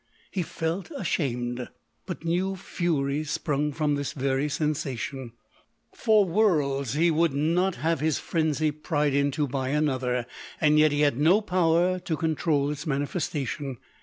He felt ashamed ; but new fury sprung from this very sensation. For worlds, he would not have his frenzy pried into by another ; and yet he had no power to con troul its manifestation.